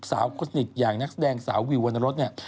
สาวคนสนิทอย่างนักแสดงสาววิววรรณรสเนี่ย